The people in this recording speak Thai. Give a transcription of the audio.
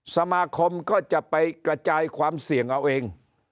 สมาคมก็จะไปกระจายความเสี่ยงเอาเอง